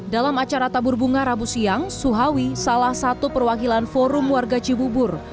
dalam acara tabur bunga rabu siang suhawi salah satu perwakilan forum warga cibubur